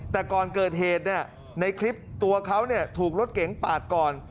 แต่ก่อนเกิดเหตุในคลิปตัวเขาถูกรถเก๋งปาดก่อน